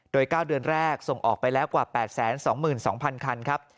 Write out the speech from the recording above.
โดย๙เดือนแรกส่งออกไปแล้วกว่า๘๒๒๐๐คันครับ